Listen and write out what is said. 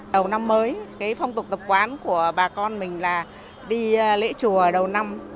đầu năm mới cái phong tục tập quán của bà con mình là đi lễ chùa đầu năm